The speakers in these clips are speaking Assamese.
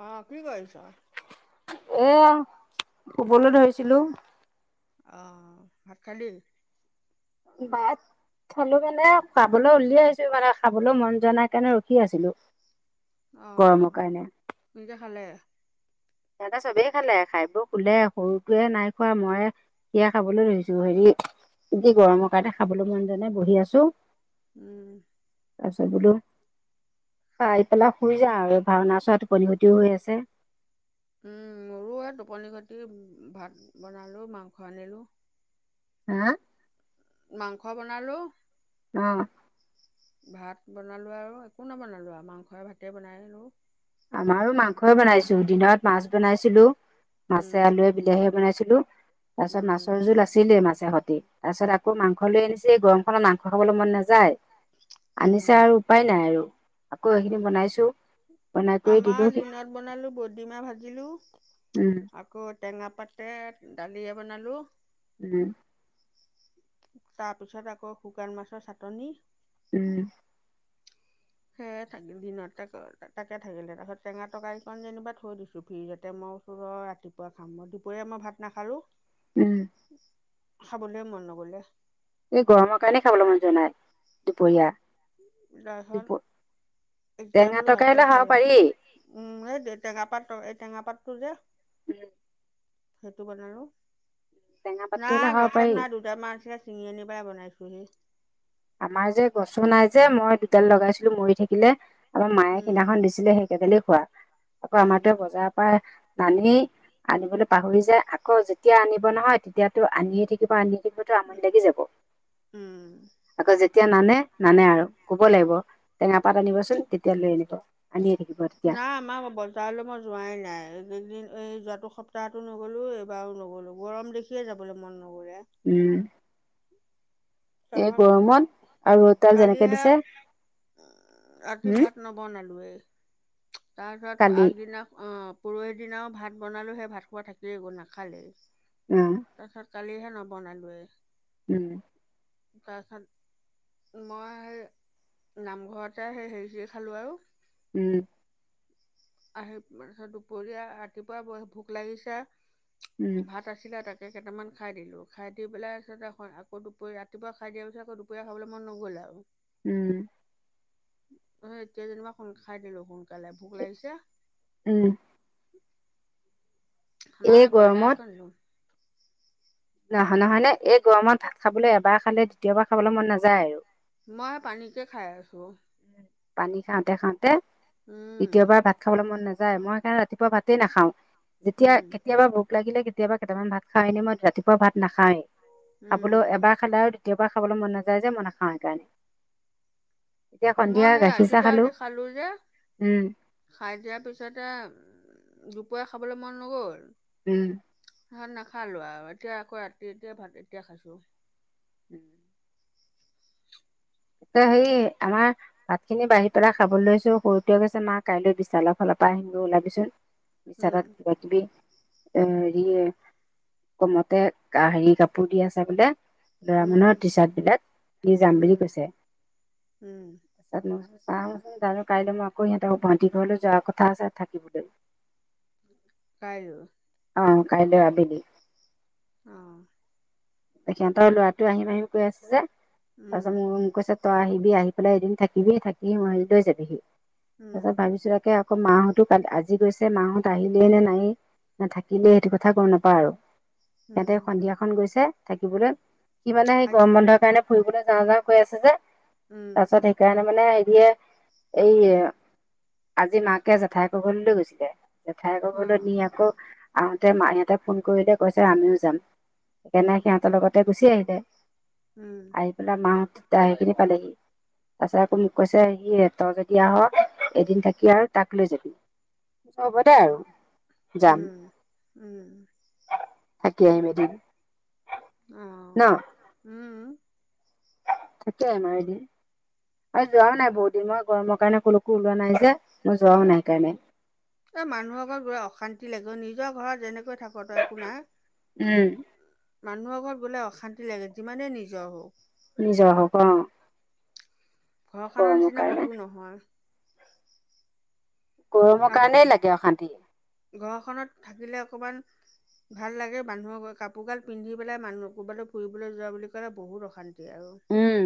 অহ, কি কৰিছ? এয়া শুবলৈ ধৰিছিলোঁ। অহ, ভাত খালি? ভাত। খালোঁ মানে খাবলৈ উলিয়াইছোঁ মানে, খাবলৈ মন যোৱা নাই কাৰণে ৰখি আছিলোঁ। অহ, নিজে খালে? সিহঁতে চবেই খালে, খাই ৱৈ শুলে সৰুটোৱে নাই খোৱা, মই এতিয়া খাবলৈ ৰেলি, হেৰি গৰমৰ কাৰণে খাবলৈ মন যোৱা নাই বহি আছোঁ। উম। আছা বোলো। খাই পেলাই শুই যাওঁ আৰু ভাওনা চোৱা টোপনি ক্ষতিও হৈ আছে। মোৰো এই টোপনি ক্ষতি, ভাত বনালোঁ মাংস আনিলোঁ। হা? মাংস বনালোঁ। অহ। ভাত বনালোঁ আৰু একো নবনালোঁ আৰু মাংস ভাতে বনাই দিলোঁ। আমাৰো মাংসই বনাইছোঁ, দিনত মাছ বনাইছিলোঁ উম, মাছে আলুৱে। বিলাহী বনাইছিলোঁ তাৰপিছত উম, মাছৰ জোল আছিল। আছিলে মাছে সৈতে তাৰপিছত আকৌ মাংস লৈ আনিছে, এই গৰমখনত মাংস খাবলৈ মন নাযায়। উম। আনিছা আৰু উপায় নাই আৰু আকৌ এইখিনি বনাইছোঁ। আমাৰ দিনত বনালোঁ ডিমা বাছিলো। উম। আকৌ টেঙা পাতে দালিয়ে বনালোঁ। উম। তাৰপিছত আকৌ শুকান মাছৰ চাটনি। উম। সেয়ে থাকিল দিনত তাকে-তাকে থাকিলে। তাৰপিছত টেঙা টকাৰীকন যেনিবা থৈ দিছোঁ ফ্ৰিজতে মই [unintelligible] ৰাতিপুৱা খাম। মই দুপৰীয়া মই ভাত নাখালোঁ। উম। খাবলৈ মন নগ'লে। এই গৰমৰ কাৰণে খাবলৈ মন যোৱা নাই দুপৰীয়া। দুপ তাৰপিছত এতিয়া টেঙা বোলো ভাত তৰকাৰীলে গিতা খাব খাই লওঁ। পাৰি উম, [unintelligible] এই টেঙা পাতটো যে উম। সেইটো বনালোঁ। টেঙা পাতটো পুৰা হ'লে খাব পাৰি গছত নাই দু তে মাছ চিঙি আনি পেলাই বনাইছোঁহি। আমাৰ যে গছো নাই যে, মই দুডাল লগাইছিলোঁ মৰি থাকিলে। আমাৰ মায়ে উম সিদিনাখন দিছিলে সেইকেইডালি খোৱা। আকৌ আমাৰ উম তোৱে বজাৰৰ পৰা নানেই। আনিবলৈ পাহৰি যায়। আকৌ যেতিয়া আনিব নহয়, তেতিয়াতো আনিয়ে থাকিব, আনিয়ে থাকিবতো আমনি লাগি যাব। উম। আকৌ যেতিয়া নানে নানে আৰু কব লাগিব টেঙা পাত আনিবচোন তেতিয়া লৈ আনিব। আনিয়ে থাকিব তেতিয়া না আমাৰো বাবল তালে মই যোৱাই নাই। এই দুদিন এই যোৱাটো সপ্তাহটো নগ'লোঁ এইবাৰো নগ'লোঁ গৰম দেখি দেখিয়ে যাবলৈ মন নগ'লে। উম, এই তাৰপিছত গৰমত আৰু ৰ'দ দাল যেনেকে কালিহে দিছে। ৰাতি উম ভাত নবনালোৱেই তাৰপিছত কালি আগদিনা পৰহি দিনাও ভাত বনালোঁ সেই ভাত খোৱা থাকিলেই গ'ল নাখালেই। উম, তাৰপিছত কালিহে নবনালোই ওম, তাৰপিছত মই সেই নামঘৰতে সেই হেৰি চৰি খালোঁ আৰু। উম, আহি তাৰপিছত দুপৰীয়া ৰাতিপুৱা ব ভোক লাগিছে উম ভাত আছিলে তাকে কেইটামান খাই দিলো খাই দি পেলাই আকৌ দুপৰি ৰাতিপুৱা খাই দিয় পি আকৌ দুপৰীয়া খাবলৈ মন নগ'ল আৰু উম, এ এতিয়া যেনিবা সোন খাই দিলো সোনকালে ভোক লাগিছে। উম, এই আমাৰ ব্ৰইলাৰ গৰমত অকন আনিলো নহয় নহয় নে এই গৰমত ভাত খাবলৈ এবাৰ খালে দ্বিতীয়বাৰ খাবলৈ মন নাযায় আৰু মই পানীকে খাই আছোঁ। পানী খাওঁতে খাওঁতে উম দ্বিতয়বাৰ ভাত খাবলৈ মন নাযায়। মই সেই কাৰণে ৰাতিপুৱা ভাতে নাখাও যেতিয়া উম কেতিয়াবা ভোক লাগিলে কেতিয়াবা কেইটামান ভাত খাওঁ এনে মই ৰাতিপুৱা ভাত নাখায়েই খাবলৈও উম এবাৰ খালে আৰু কেতিয়াবা খাবলৈ মন নাযায় যে মই নাখাওঁ সেইকাৰণে এতিয়া মই সন্ধিয়া গাখীৰ চাহ ৰাতিপুৱা খালোঁ আজি খালো যে উম খাই দিয়া পিছতে দুপৰীয়া খাবলৈ মন নগল। উম, ভাত নাখালো আৰু এতিয়া আকৌ ৰাতি এতিয়া ভাত এতিয়া খাইছো উম এ সেই আমাৰ ভাত খিনি বাঢ়ি পেলাই খাবলৈ লৈছো সৰুটোৱে কৈছে মা কাইলৈ বিশালৰ ফালৰ পৰা আহিমগৈ ওলাবিচোন উম বিচাৰত কিবা কিবি এ হেৰি কমতে হেৰি কাপোৰ দি আছে বোলে লৰা মানুহৰ টি উম চাৰ্ট বিলাক লৈ যাম বুলি উম, কৈছে উম ছোন চাওঁচোন জানো কাইলৈ মই আকৌ সিহঁতৰ গুৱাহাটীৰ ঘৰলৈ যোৱাৰ কথা আছে থাকিবলৈ কাইলৈ অ কাইলৈ আবেলি অ দে সিহঁতৰ ল'ৰাটো আহিম আহিম কৈ আছে যে উম, তাৰপিছত মোক মোক কৈছে তই আহিবি আহি পেলাই এদিন থাকিবি থাকিি মই লৈ যাবিহি উম। তাৰপিছত ভাবিছো তাকে আকৌ মাহতো আজি গৈছে মাহত আহিলেইে নে নাই ন থাকিলে সেইটো কথা গম নাপাওঁ আৰু সিহতে উম। সন্ধিয়াখন গৈছে থাকিবলৈ সি মানে আ সেই উম, গৰম বন্ধৰ কাৰণে ফুৰিবলৈ যাওঁ যাওঁ কৈ আছে যে অ'। উম। তাৰপাছত সেইকাৰণে মানে হেৰিয়ে এই আজি মাকে জেঠয়েকৰ ঘৰলৈ লৈ গৈছিলে জেঠায়েকৰ ঘৰলৈ নি আকৌ আহোতে মাই হতে ফোন কৰিলে কৈছে আমিও যাম সেইকাৰণে সিহঁতৰ লগতে গুচি আহিলে। উম। আহি পেলাই মাহঁত তেতিয়া সেইখিনি পালেহি তাৰ পিছত আকৌ মোক কৈছে সিহতৰ যদি দিয়া হ এদিন থাকি আৰু তাক লৈ যাবি। হ'ব দে আৰু যাম। উম, উম, থাকি আহিম এদিন। অ', ন উম। থাকি আহিম আৰু এদিন আৰু যোৱাও নাই বহুত দিন মই গৰমৰ কাৰণে কলৈকো ওলোৱা নাই যে মই যোৱাও নাই সেইকাৰণে। এ মানুহৰ ঘৰত গৈ অশান্তি লাগে অ', নিজৰ ঘৰত যেনেকৈ থাকো একো নাই উম মানুহৰ ঘৰত গলে অশান্তি লাগে যিমানে নিজৰ হওক। নিজৰ হওক অ'। ঘৰখনৰ গৰমৰ নিচিনা কাৰণে ক'তো নহয়। গৰমৰ আৰু কাৰণেই লাগে অশান্তি। ঘৰখনত থাকিলে অকণমান ভাল লাগে মানুহৰ কাপোৰ গাল পিন্ধি পেলাই মানুহ ক'ৰবালৈ ফুৰিবলৈ যোৱা বুলি ক'লে বহুত অশান্তি আৰু। উম।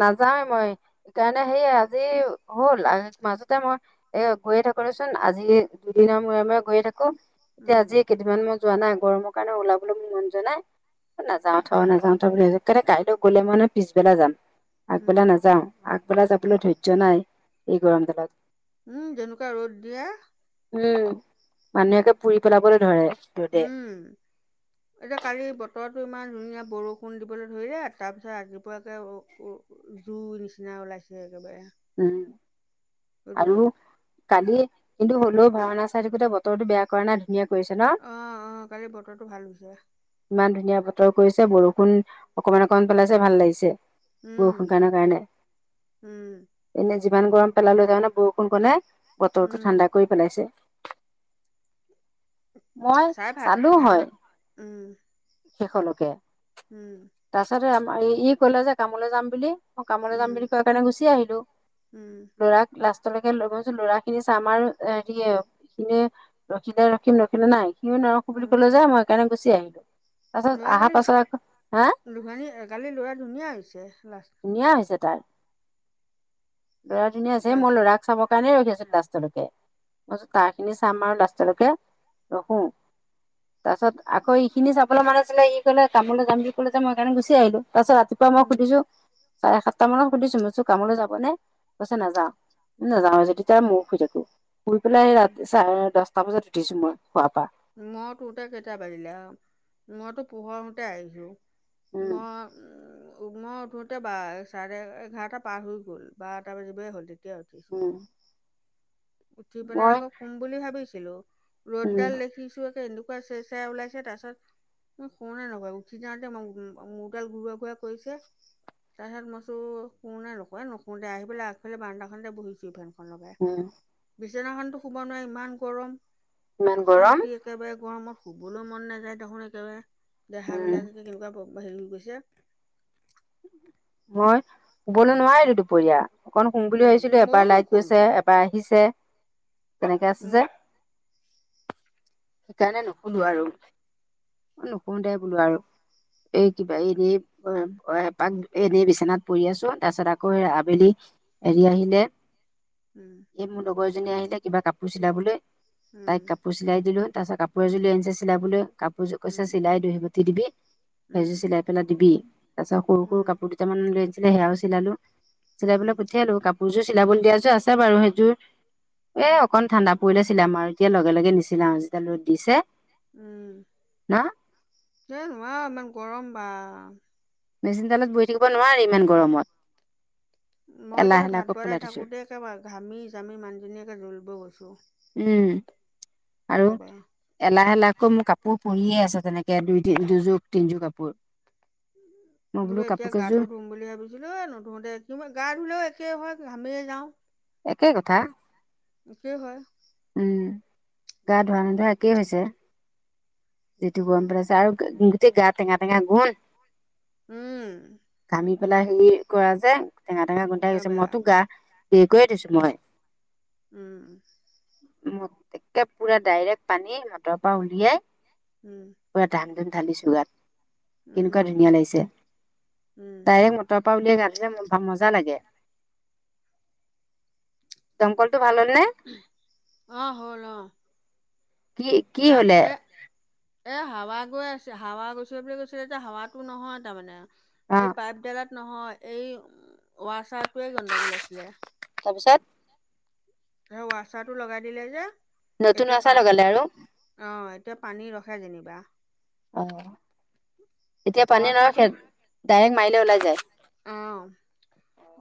নাযাওৱে মই সেইকাৰণে সেই আজি হ'ল মাজতে মই এ গৈয়ে থাকো দেচোন আজি দুদিনৰ মূৰে মূৰে গৈয়ে থাকো এতিয়া উম আজি যিমান মই যোৱা নাই গৰমৰ কাৰণে ওলাবলৈ মোৰ মন যোৱা নাই। নাযাও থ নাযাওঁ থ বুলি কাইলৈ গ'লে মানে পিছবেলা যাম। আগবেলা উম নাযাওঁ আগবেলা যাবলৈ ধৈৰ্য্য নাই এই গৰমডালত। উম, যেনেকুৱা ৰ'দ দিয়ে। উম, মানুহ একে পুৰি পেলাবলৈ ধৰে। ৰ'দে উম। এতিয়া কালি বতৰটো ইমান ধুনীয়া বৰষুণ দিবলৈ ধৰিলে তাৰপিছত ৰাতিপুৱা একে জুই নিচিনা ওলাইছে একেবাৰে। উম, ৰ'দ আৰু কালি কিন্তু হ'লেও ভাওনা চাই থাকোতে বতৰটো বেয়া কৰা নাই ধুনীয়া কৰিছে ন। অ', অ', কালি বতৰটো ভাল হৈছে। ইমান ধুনীয়া বতৰ কৰিছে বৰষুণ অকমান অকমান পেলাইছে ভাল লাগিছে। উম, বৰষুণ কণৰ কাৰণে উম। এনে যিমান গৰম পেলালেও তাৰমানে বৰষুণ কনে বতৰটো উম ঠাণ্ডা কৰি পেলাইছে। মই চাই ভাল চালো হয় ভাওনা উম শেষলৈকে। উম। তাৰ পাছতে আমৰ ই কলে যে কামলৈ যাম বুলি মই কামলৈ উম যাম বুলি কয় কাৰণে গুচি আহিলো। উম। ল'ৰাক লাষ্টলৈকে লৈ গছো ল'ৰা খিনি চ আমাৰ হেৰিয়ে সিনে ৰখিলে ৰখিম নৰখিলে নাই সিও নৰখো উম বুলি কলে যে মই সেইকাৰণে গুচি আহিলো। তাৰপাছত ল'ৰা অহাৰ কালি পাছত আকৌ হা ধানী কালি ল'ৰা ধুনীয়া হৈছে লাষ্টত। ধুনীয়া হৈছে তাৰ। ল'ৰা ধুনীয়া হৈছে হে মই লাষ্টৰ ল'ৰাক চাব কাৰনেই ৰখি আছিল লাষ্টলৈকে মইচো তাৰ খিনি চাম আৰু লাষ্টলৈকে ৰখো। তাৰ পাছত আকৌ ইখিনি চাবলৈ মন আছিলে ই কলে কামোলৈ যাম বুলি কলে যে মই সেইকাৰণে গুচি আহিলো তাৰ পিছত ৰাতি পুৱা মই উম সুধিছো চাৰে সাতটা মানত সুধিছো মইছো কামলৈ যাব নে? কৈছে নাযাও নাযাও যদি তই মইও শুই থাকো শুই পেলাই সেই উম ৰাতি চাৰে দহ টা বজাত উঠিছো মই সোৱাৰ পৰা। মই উঠোঁতে কেইটা বাজিলে মইতো পোহৰ হওঁতে আহিছো। উম মই উম, মই উঠোঁতে বা চাৰে এঘাৰটা পাৰ হৈ গ'ল বাৰটা বাজিবই হ'ল তেতিয়া উঠিছোঁ। উম উঠি পেলাই মই আকৌ শুম বুলি ভাবিছিলোঁ ৰ'দ উম ডাল দেখিছো একে এনেকোৱা চেৰ চেৰাই ওলাইছে তাৰপিছত মই শোৱা নগল উঠি যাওঁতে মোৰ ডাল ঘূৰোৱা ঘূৰোৱা কৰিছে তাৰপিছত মইছো শু নে নুশু এ নুশু দে আহি পেলাই আগ ফিলে বাৰাণ্ডাখনতে বহিছো ফেনখন লগাই। উম, বিচনাখনতো শুব নোৱাৰি ইমান গৰম ইমান গৰম অশান্তি একেবাৰে গৰমত শুবলৈ মন নাযায় দেখোন একেবাৰে দেহা উম বিলাক কেনেকুৱা হেৰি হৈ গৈছে মই শুবলৈ নোৱাৰিলো দুপৰীয়া অকন শুম বুলি উম ভাবিছিলোঁ ময়ো এবাৰ লাইট নুশুলো গৈছে এবাৰ আহিছে তেনেকা উম আছে যে সেইকাৰণে নুশুলো আৰু। নুশুঁ দে বোলো আৰু এই কিবা এনে এ পাক এনেই বিচনাত পৰি আছো তাৰপিছত আকৌ আবেলি হেৰি আহিলে উম, এই মোৰ লগৰজনী আহিলে কিবা কাপোৰ চিলাবলৈ তাইক কাপোৰ চিলাই দিলো, তাৰ পিছত কাপোৰ এযোৰ লৈ আনিছে চিলাবলৈ কাপোৰযোৰ কৈছে উম চিলাই [unintelligible] গুঠি দিবি উম সেযোৰ চিলাই পেলাই দিবি, তাৰ পাছত সৰু উম সৰু কাপোৰ কেইটামান লৈ আছিলে সেয়াও চিলালো চিলাই উম পেলাই পঠিয়ালো কাপোৰ কোৰযোৰ চিলাবলৈ দিয়া যো আছে বাৰু সেইযোৰ এ অকন ঠাণ্ডা পৰিলে চিলাম আৰু এতিয়া লগে লগে নিচি যিডাল ৰ'দ দিছে। উম, ন এই নহোৱা ইমান গৰম বা মেচিন তলত বহি থাকিব নোৱাৰি ইমান গৰমত, মই এতিয়া এলাহ ভাত এলাহক বনাই পেলাই থৈছোঁ। থাকোতে একেবাৰে ঘামি জামি মানুজনীয়েকে জ্বলিব গৈছো। উম, আৰু? একেবাৰে এলাহ এলাহকো কাপোৰ পৰিয়ে আছে তেনেকে দুই তি দুযোৰ তিনযোৰ কাপোৰ। মই বোলো কাপোৰ এতিয়া কেইযোৰ গাটো ধুম বুলি ভাবি বোলো এ নোধোঁ দে কি গা ধুলেও একেই হয় ঘামিয়ে যাওঁ। একেই কথা একেই হয়। উম, গা ধোৱা নোধোৱা একেই হৈছে। যিটো গৰম পেলাইছে আৰু গোটেই গা টেঙা টেঙা গুণ উম কামি পেলাই হেৰি কৰা যে টেঙা টেঙা গোন্ধাই গৈছে একেবাৰে মইতো গা হেৰি কৰিয়ে দিছো মই উম, ম একে পুৰা ডাইৰেক্ট পানী হাতৰ পৰা উলিয়াই উম, পুৰা ধাম ধুম ঢালিছো গাত কেনেকুৱা উম ধুনীয়া লাগিছে উম ডাইৰেক্ট তৰ পৰা উলিয়াই গা ধুলে মজা লাগে। ডংকলটো ভাল হ'লে অ', হ'ল অ', কি কি না হলে আৰে এ হাৱা গৈ আছে, হাৱা গৈছে বুলি কৈছিলে এতিয়া হাৱাতো নহয় তাৰমানে, অ এই পাইপডালাত নহয় এই ৱাছাৰটোৱে গণ্ডগোল আছিলে। তাৰপিছত? ধৰা ৱাচাৰটো লগাই দিলে যে নতুন এতিয়া প আচাৰ লগালে আৰু অ', এতিয়া পানী ৰখে যেনিবা। অ', এতিয়া পানী ৱাছাৰটো নৰখে ডাইৰেক্ট মাৰিলে ওলাই যায়। অ',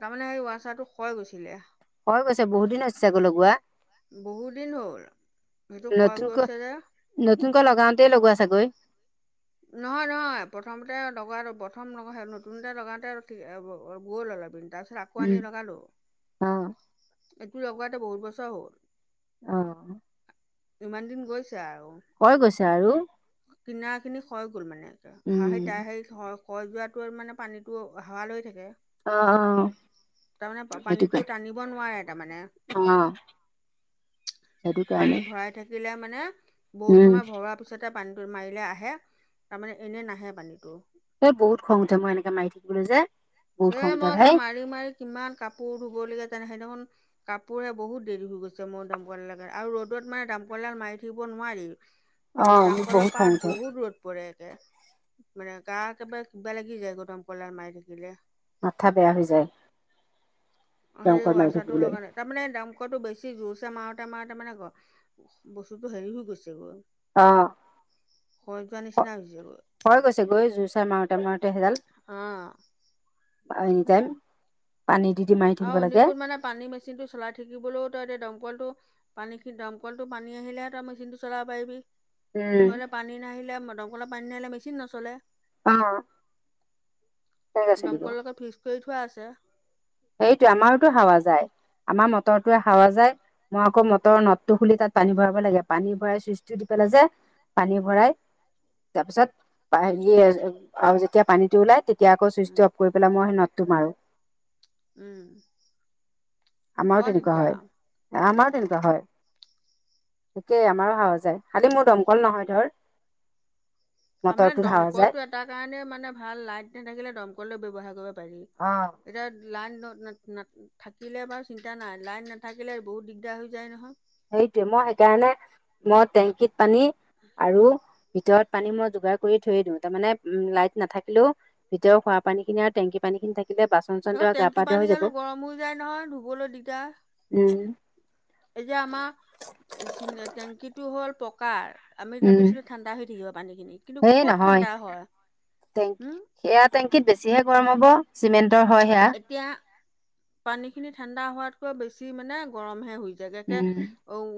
তাৰমানে সেই ৱাচাৰটো খৈ গৈছিলে। হৈ গৈছে বহুত দিন হৈছে আকৌ লগোৱা বহুত দিন হ'ল সেইটো খৰ নতুনকৈ গৈছে যে নতুনকৈ লগাওঁতেই লগোৱা চাকৈ নহয় নহয় প্ৰথমতে লগা প্ৰথম লগ নতুনতে লগাতে গল লাবি তাৰপিছত কাকো আনি উম লগালো অ এইটো লগোৱাতো বহুত বছৰ হ'ল অ ইমান দিন গৈছে আৰু হয় গৈছে আৰু কিনা খিনি খয় গ'ল মানে হাঁহি উম হেইহাঁ থৰ খয় যোৱাটো মানে পানীটো হাৱাল লৈ থাকে অ অ তাৰমানে পানীটো সেইটোকে টানিব নোৱাৰে তাৰমানে অ সেইটো পানী কাৰণে ভৰাই থাকিলে মানে বহুত উম সময় ভৰোৱাৰ পিছতে পানীটো মাৰিলে আহে তাৰমানে এনে নাহে পানীটো ত বহুত খং উঠে মই এনেকে মাৰি থাকিবলে যে বহুত এ খং উঠে মই ভাই মাৰি মাৰি কিমান কাপোৰ ধুব লগীয়া সেইদিনাখন কাপোৰহে বহুত দেৰি হৈ গৈছে মোৰ দামকলৰ কাৰনে আৰু ৰ'দত মানে দামকলডাল মাৰি থাকিব নোৱাৰি অ মোক দামকলৰ বহুত খং পাৰত উঠে বহুত ৰদ পৰে একে মানে গা একেবাৰে কিবা লাগি যায় দমকলডাল মাৰি থাকিলে মাথা বেয়া হৈ যায় অ এই দমকল মাৰি ৱাছাৰ টো থাকিবলৈ লগালে তাৰমানে দমকলটো বেছি জোৰছে মাৰোতে মাৰোতে মানে বস্তুটো হেৰি হৈ গৈছে গৈ অ হৈছেগৈ খয় গৈছে গৈ জোৰ চাই মাৰোতে মাৰোতে সেইডাল অ এনি টাইম পানী দি দি মাৰি থাকিব আৰু লাগে এনেকু মানে পানী মেচিন টো চলাই থাকিবলৈও তই এতিয়া দমকলটো পানীখিনি দমকলটো পানী আহিলেহঁ তই মেচিনটো চলাব পাৰিবি উম নহলে পানী নাহিলে দমকলৰ পানী নাহিলে মেচিন নচলে অ তেনেকে চলিব দমকলৰ লগত ফিক্স কৰি থোৱা আছে সেইটো আমাৰোতো হাৱা যায় আমাৰ মটৰটোৱে হাৱা যায় মই আকৌ মটৰৰ নদটো খুলি তাত পানী ভৰাব লাগে পানী ভৰাই চুইচটো দি পেলাই যে পানী উম ভৰাই তাৰপিছত আৰু যেতিয়া পানীটো ওলাই তেতিয়া এতিয়াকৌ উম ছুইচ অফ কৰি পেলাই মই নদটো মাৰো উম আমাৰো বৰ তেনেকুৱা দিগদাৰ হয় আমাৰো তেনেকুৱা হয় তাকেই আমাৰো হাৱা যায় খালি মোৰ দমকল নহয় ধৰ আমাৰ মটৰটোত হাৱা যায় দমকলটো এটা কাৰণে মানে ভাল লাইট নাথাকিলে দমকলটো ব্যৱহাৰ কৰিব পাৰি অ এতিয়া লাইন না থাকিলে বাৰু চিন্তা নাই লাইন নাথাকিলে বহুত দিগদাৰ হৈ যায় নহয় সেইটোৱে মই সেইকাৰণে মই টেংকিত পানী আৰু ভিতৰত পানী মই যোগাৰ কৰি থৈ দিওঁ তাৰমানে উ লাইট নাথাকিলেও ভিতৰৰ খোৱা পান খিনি আৰু টেংকি পানীখিন থাকে তাত টেংকি পানী গালো গৰম হৈ যায় নহয় ধুবলৈ দিগদাৰ উম এই যে আমাৰ চিনে টেংকি টো হ'ল পকাৰ আমি উম। ভাবিছিলো ঠাণ্ডা হৈ থাকিব পানীখিনি কিন্তু এই ক'ত নহয় ঠাণ্ডা হয় টেংক হম সেয়া টেংকিত বেছিহে গৰম হব চিমেণ্টৰ হয় সেয়া এতিয়া পানীখিনি ঠাণ্ডা হোৱাতকৈ বেছি মানে গৰমহে হৈ যায় গে একে উম। অও।